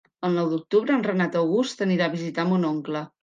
El nou d'octubre en Renat August anirà a visitar mon oncle.